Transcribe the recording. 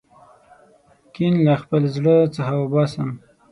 کین له خپل زړه څخه وباسم.